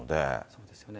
そうですよね。